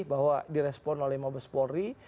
bahwa di respon oleh mabes polri